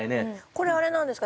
これあれなんですか？